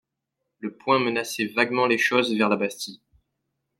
Le poing menaçait vaguement les choses vers la Bastille.